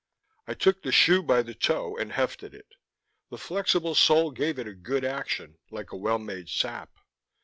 I took the shoe by the toe and hefted it: the flexible sole gave it a good action, like a well made sap.